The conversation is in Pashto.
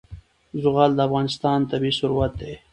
زغال د افغانستان طبعي ثروت دی.